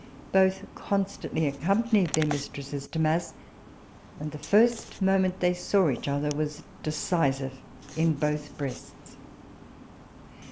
Both constantly accompanied their mistresses to mass, and the first moment they saw each other was decisive in both breasts.